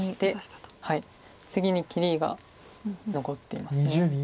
次に切りが残っています。